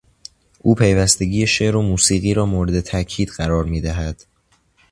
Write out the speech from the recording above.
او پیوستگی شعر و موسیقی را مورد تاکید قرار میدهد.